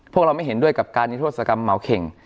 พวกเราไม่เห็นด้วยกับการนิทธศกรรมเหมาเข่ง